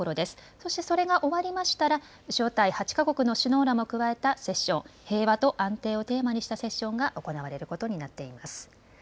そしてそれが終わりましたら、招待８か国の首脳らも加えたセッション、平和と安定をテーマにしたセッションが行われることになっています。